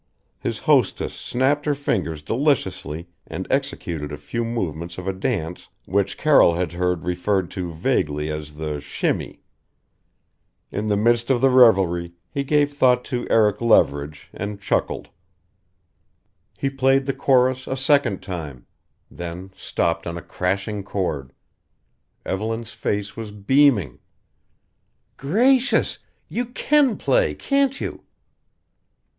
His hostess snapped her fingers deliciously and executed a few movements of a dance which Carroll had heard referred to vaguely as the shimmy. In the midst of the revelry he gave thought to Eric Leverage and chuckled. He played the chorus a second time then stopped on a crashing chord. Evelyn's face was beaming "Gracious! You can play, can't you?"